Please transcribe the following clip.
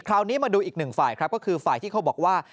คราวนี้มาดูอีกหนึ่งฝ่ายครับก็คือฝ่ายที่เขาบอกว่า